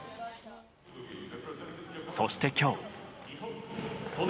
そして、今日。